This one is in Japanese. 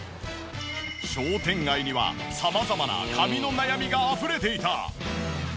商店街には様々な髪の悩みがあふれていた。